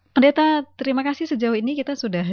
pendeta terima kasih sejauh ini kita sudah